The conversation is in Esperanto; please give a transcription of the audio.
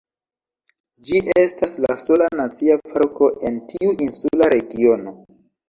Ĝi estas la sola nacia parko en tiu insula regiono.